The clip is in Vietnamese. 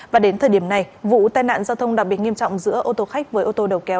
và đến thời điểm này vụ tai nạn giao thông đặc biệt nghiêm trọng giữa ô tô khách với ô tô đầu kéo